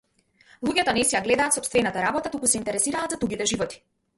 Луѓето не си ја гледаат сопстевната работа туку се интересираат за туѓите животи.